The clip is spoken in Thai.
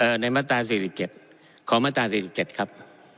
ในมาตรา๔๗ของมาตรา๔๗ครับ